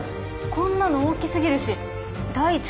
こんなの大きすぎるし第一